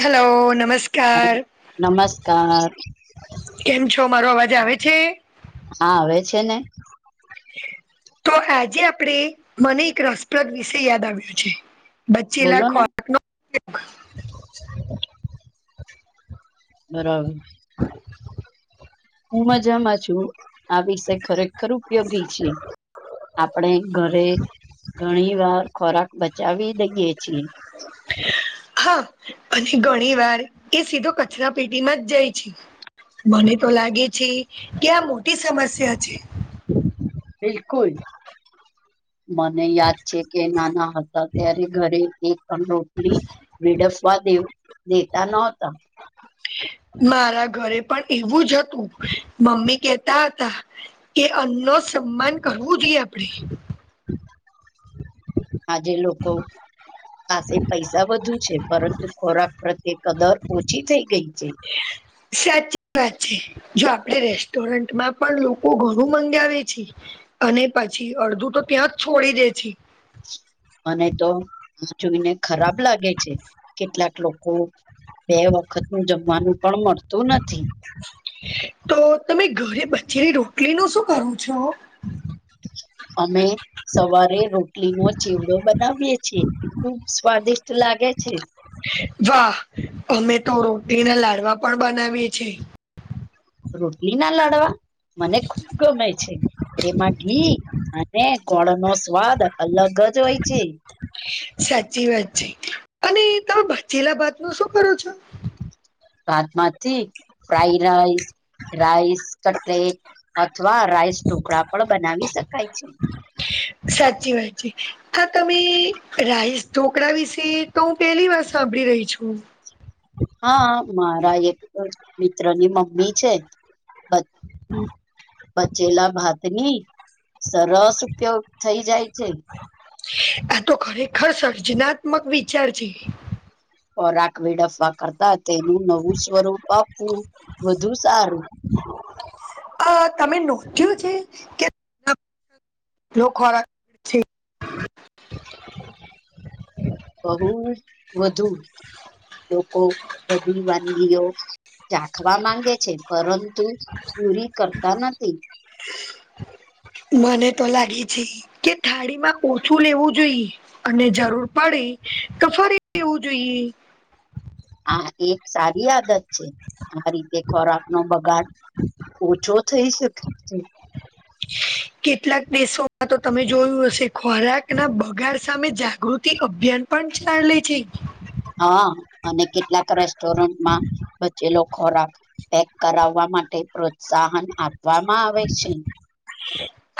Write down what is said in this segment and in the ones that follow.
Hello નમસ્કાર. Hello નમસ્કાર કેમ છો મારો અવાજ આવે છે. હા આવે છે ને. તો આજે આપણેે મને એક રસપ્રદ વિશે યાદ આવ્યો છે. બચ્ચેલા બોલો ખો ને [unintelligible] હું મજામાં છું આ વિષય ખરેખર ઉપયોગી છે. આપણે ઘરે ઘણી વાર ખોરાક બચાવી દઈએ છીએ. [unintelligible] અને ઘણી વાર એ સીધો કચરા પેટી માં જ જાય છે. મને તો લાગે છે કે આ મોટી સમસ્યા છે. બિલકુલ મને યાદ છે કે નાના હતા ત્યારે ઘરે એક પણ રોટલી વેડફવા દે દેતા નતા. મારા ઘરે પણ એવું જ હતું મમ્મી કેતા હતા કે અન્નનો સન્માન કરવું જોઈએ આપણે. આજે લોકો પાસે પૈસા વધુ છે પરંતુ ખોરાક પ્રત્યે કદર ઓછી થઈ ગઈ છે. સાચી વાત છે. જો આપડે રેસ્ટોરન્ટમાં પણ લોકો ઘણું મંગાવે છે અને પછી અડધું તો ત્યાં જ છોડી દે છે. મને તો જોઈને ખરાબ લાગે છે કેટલાક લોકો બે વખતનું જમવાનું પણ મળતું નથી. તો તમે ઘરે બચેલી રોટલીનું શું કરો છો. અમે સવારે રોટલીનો ચેવડો બનાવીએ છીએ ખુબ સ્વાદિષ્ટ લાગે છે. જો અમે તો રોટલીના લાડવા પણ બનાવીએ છીએ. રોટલી ના લાડવા મને ખુબ ગમે છે. તેમાં ઘી અને ગોળનો સ્વાદ અલગ જ હોય છે. સાચી વાત છે અને તમે બચેલા ભાતનું શું કરો છો. ભાતમાંથી ફ્રાઈડ રાઈસ રાઈસ કટલેટ અથવા રાઈસ ઢોકડા પણ બનાવી શકાય છે. સાચી વાત છે, તો તમે રાઈસ ઢોકળા વિશે હું તો પહેલી વાર સાંભળી રહી છું. હા, મારા એક મિત્રની મમ્મી છે બચ બચેલા ભાતની સરસ ઉપયોગ થઇ જાય છે. આ તો ખરેખર સર્જનાત્મક વિચાર છે. ખોરાક વેડફવા કરતા તેનું નવું સ્વરૂપ આપવું વધુ સારું. આ તમે નોક્યું છે કે? [unintelligible] ખોરાક છે બહુ વધુ લોકો બધી વાનગીઓ ચાખવા માંગે છે પરંતુ પૂરી કરતા નથી. મને તો લાગે છે કે થાળીમાં ઓછું લેવું જોઈએ. અને જરૂર પડે તો ફરી લેવું જોઈએ. આ એક સારી આદત છે, આ રીતે ખોરાકનો બગાડ ઓછો થઈ શકે. છે કેટલાક દેશોમાં તો તમે જોયું હશે ખોરાકના બગાડ સામે જાગૃતિ અભિયાન પંચ ચાલે છે. હા અને કેટલાક રેસ્ટોરન્ટમાં બચેલો ખોરાક પેક કરાવવા માટે પ્રોત્સાહન આપવામાં આવે છે.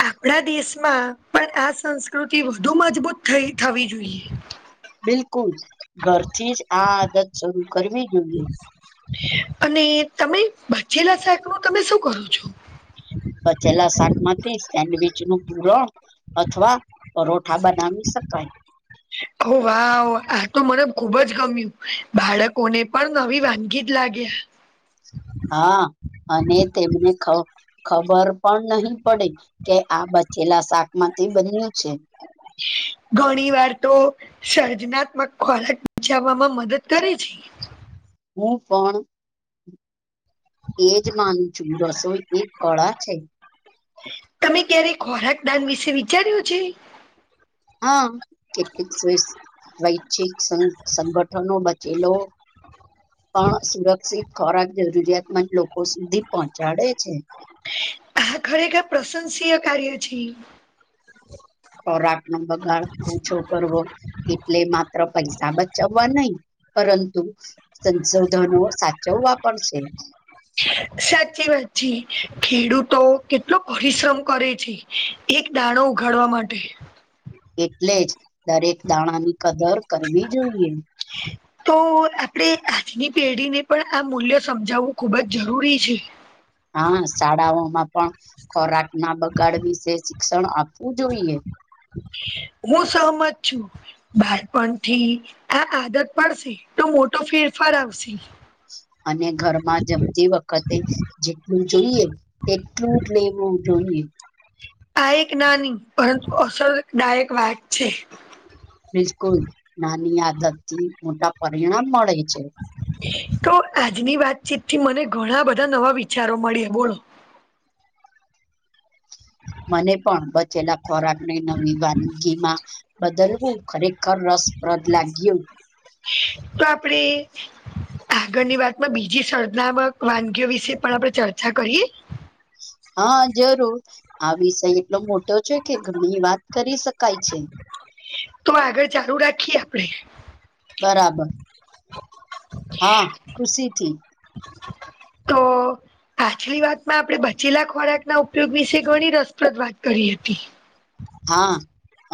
આપડા દેશમાં પણ આ સંસ્કૃતિ વધુ મજબૂત થઈ થવી જોઈએ. બિલકુલ ઘરથી જ આ આદત શરૂ કરવી જોઈએ. અને તમે બચેલા શાક નું તમે શું કરો છો. બચેલા શાકમાંથી સેન્ડવીચ નું પૂરણ અથવા પરોઠા બનાવી શકાય. ઓ વાહ આ તો મને ખુબજ ગમ્યું બાળકોને પણ નવી વાનગી જ લાગે આ હા અને તેમને ખબર પણ નહી પડે કે આ બચેલા શાકમાંથી બન્યું છે. ઘણી વાર તો સર્જનાત્મક ખોરાક બચાવવામાં મદદ કરે છે. હું પણ એજ માનું છું, રસોઈ એક કળા છે. તમે ક્યારે ખોરાક દાન વિશે વિચાર્યું છે? હા, કેક સ્વી સ્વેચ્છિક સંગ સંગઠનો બચેલો પણ સુરક્ષિત ખોરાક જરૂરિયાત મંદ લોકો સુધી પહોંચાડે છે. આ ખરેખર પ્રશંસીય કાર્ય છે ઈ. ખોરાકનો બગાડ ઓછો કરવો. એટલે માત્ર પૈસા બચાવવા નઈ પરંતુ સંશોધનો સાચવવા પડશે. સાચી વાત છે. ખેડૂતો કેટલો પરિશ્રમ કરે છે. એક દાણો ઉઘાડવા માટે. એટલે જ દાણા કદર કરવી જોઈએ. તો આપણે આજની પેઢીને પણ આ મૂલ્ય સમજાવવું ખુબ જ જરૂરી છે. હા શાળાઓમાં પણ ખોરાક ના બગાડ વિશે શિક્ષણ આપવું જોઈએ. હું સહમત છું. બાળપણ થી આ આદત પાડશે તો મોટો ફેરફાર આવશે. અને ઘરમાં જમતી વખતે જેટલું જોઈએ એટલું જ લેવું જોઈએ. આ એક નાની પરંતુ અસરદાયક વાત છે. બિલકુલ નાની આદત થી મોટા પરિણામ મળે છે. તો આજની વાતચીત થી મને ઘણા બધા નવા વિચારો મળ્યા બોલો મને પણ બચેલા ખોરાક ને નવી વાનગી માં બદલવું ખરેખર રસપ્રદ લાગ્યું. તો આપડે આગળની વાતમાં બીજી સર્જનાત્મક વાનગીઓ વિશે પણ આપણે ચર્ચા કરીએ. હા જરૂર આ વિષય એટલો મોટો છે કે ઘણી વાત કરી શકાય છે. તો આગળ ચાલુ રાખીએ આપડે બરાબર હા ખુશી થી. તો પાછલી વાતમાં આપણે બચેલા ખોરાકના ઉપયોગ વિશે ઘણી રસપ્રદ વાત કરી હતી. હા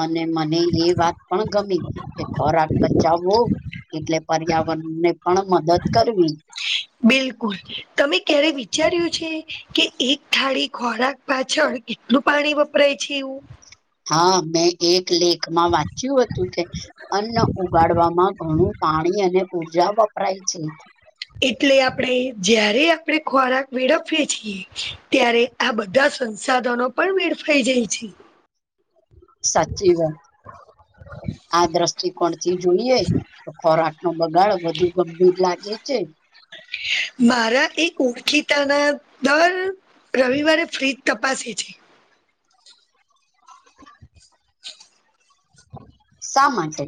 અને મને એ વાત પણ ગમી કે ખોરાક બચાવવો એટલે પર્યાવરણ ને પણ મદદ કરવી. બિલકુલ તમે ક્યારે વિચાર્યું છે કે એક થાળી ખોરાક પાછળ એટલું પાણી વપરાય છે એવું. હા મેં એક લેખમાં વાંચ્યું હતું કે અન્ન ઉગાડવામાં ઘણું પાણી ઉર્જા વપરાય છે. એટલે આપણે જ્યારે આપણે ખોરાક વેડફીએ છીએ ત્યારે આ બધા સંસાધનો પણ વેડફાઈ જાય છે. સાચી વાત આ દ્રશ ટી જોઈએ તો ખોરાક નો બગાડ વધુ ગંભીર લાગે છે. મારા એક ઓળખીતા ના દર રવિવારે ફ્ર્રીજ તપાસે છે. [inaudible] [inaudible] શા માટે.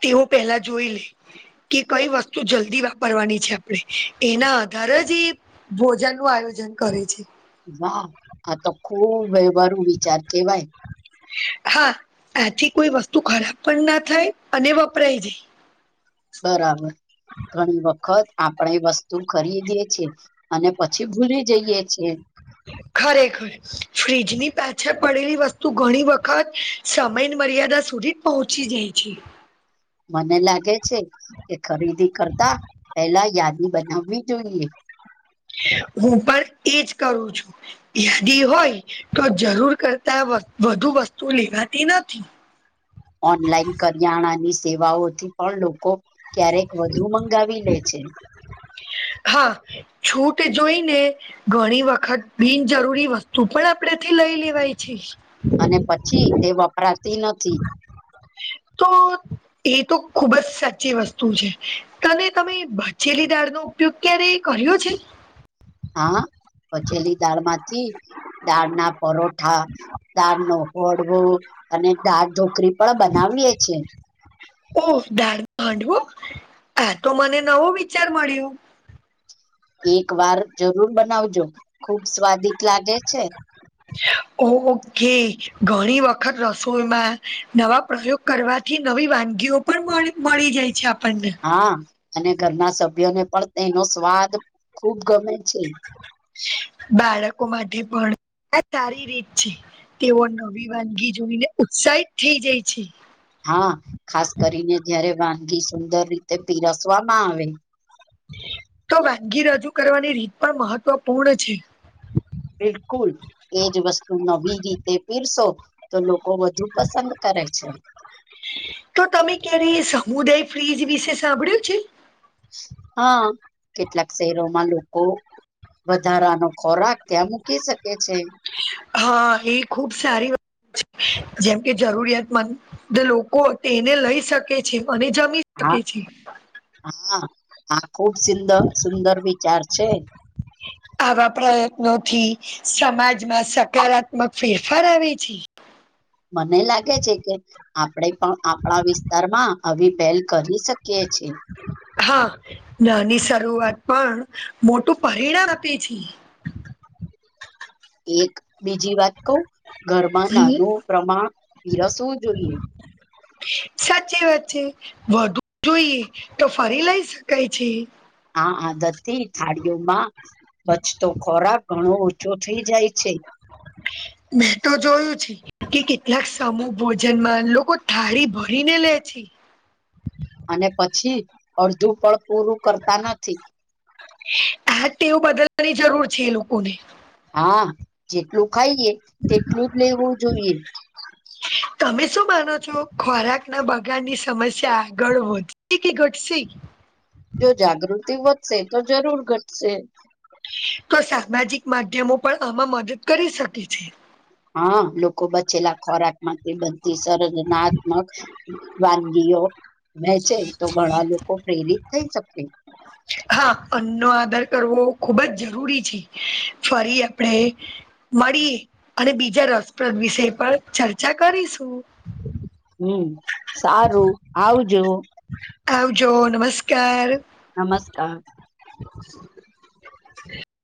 તે હું પેલા જોઈ લે કે કઈ વસ્તુ જલ્દી વાપરવાની છે આપણેે એના આધારજ એ ભોજન નું આયોજન કરે છે. વાહ આ તો ખુબ વહેવારુ વિચાર કેવાય. હા આથી કોઈ વસ્તુ ખરાબ પણ ના થાય અને વપરાય જાય. બરાબર ઘણી વખત આપણેે વસ્તુ ખરીદીએ છીએ. અને પછી ભૂલી છેએ. ખરેખર. ફ્રીજની પાછળ પડેલી વસ્તુ ઘણી વખત સમયની મર્યાદા સુધી પહોંચી જાઈ છે. મને લાગે છે કે ખરીદી કરતા પેલા યાદી બનાવવી જોઈએ. હું પણ એજ કરું છું. યાદી હોય તો જરૂર કરતા વધુ વસ્તુ લેવાતી નથી. ઓનલાઈન કરિયાણાની સેવાઓથી પણ લોકો ક્યારેક વધુ મંગાવી લે છે. હા છૂટ જોઈને ઘણી વખત બિનજરૂરી વસ્તુ પણ આપડે થી લઈ લેવાય છે. અને પછી તે વપરાતી નથી. તો એ તો ખુબ જ સાચી વસ્તુ છે તને તમે બચેલી દાળ નુ ઉપયોગ ક્યારેય કર્યો છે? હા બચેલી દાળ માંથી દાળ ના પરોઠા દાળ નો ઓડવો અને દાળ ઢોકરી પણ બનાવીએ છે. ઓ દાળ હાડવો આ તો મને નવો વિચાર મળ્યું. એક વાર જરૂર બનાવજો ખુબ સ્વાદિત લાગે છે. ઓ ઓકે ઘણી વખત રસોઈમાં નવા પ્રયોગ કરવાથી નવી વાનગીઓ પણ મળી મળી જાય છે આપણને. હા અને ઘરના સભ્યોને પણ તેનો સ્વાદ ખુબ ગમે છે. બાળકો માટે પણ આ સારી રીત છે. તેઓ નવી વાનગી જોઈને ઉત્સાહિત થઈ જાય છે. હા ખાસ કરીને જયારે વાનગી સુંદર રીતે પીરસવામાં આવે. તો વાનગી રજૂ કરવાની રીત પણ મહત્વપૂર્ણ છે. બિલકુલ. એજ વસ્તુ નવી રીતે પીરશો તો લોકો વધુ પસંદ કરે છે. તો તમે ક્યારે સમુદાય ફ્રીજ વિશે સાંભળ્યું છે? હા કેટલાક શહેરોમાં લોકો વધારાનો ખોરાક ત્યાં મૂકી શકે છે. હા એ ખુબ સારી વ છે જેમ કે જરૂરિયાતમંદ લોકો તેને લઈ શકે છે અને જમી શકે છે હા-હા-હા આ ખુબ સિદ સુંદર વિચાર છે. આવા પ્રયત્નોથી સમાજમાં સકારાત્મક ફેરફાર આવે છે. મને લાગે છે કે આપણેે પણ આપણા વિસ્તારમાં આવી પહેલ કરી શકીએ છીએ. હા નાની શરૂઆત પણ મોટું પરિણામ આપે છે. એક બીજી વાત કવ ઘરમાં હમ, નાનું પ્રમાણ પીરસવું જોઈએ. સાચી વાત છે વધુ જોઈએ તો ફરી લઈ શકાય છે. હા આદતથી થાળીઓમાં બચતો ખોરાક ઘણો ઓછો થઈ જાય છે. મેં તો જોયું છે. કે કેટલાક સમૂહ ભોજન માં લોકો થાળી ભરીને લે છે. અને પછી અડધું પણ પૂરું કરતા નથી. આ જ ટેવ બદલવાની જરૂર છે એ લોકોને. હા જેટલું ખાઈએ તેટલું જ લેવું જોઈએ. તમે શું માનો છો ખોરાક ના બગાડની સમસ્યા આગળ વધ ધસે કે ઘટસે. જો જાગૃતિ વધશે તો જરૂર ઘટશે. તો સામાજિક માધ્યમો પણ આમાં મદદ કરી શકે છે. હા લોકો બચેલા ખોરાકમાંથી બધી સર્જનાત્મક વાનગીઓ વહેચે તો ઘણા લોકો પ્રેરિત થઈ શકે હા અન્નનો આદાર કરવો ખૂબ જ જરૂરી છે, ફરી આપડે મળી અને બીજા રસપ્રદ વિશે પણ ચર્ચા કરીશું. હમ સારું આવજો. આવજો નમસ્કાર નમસ્કા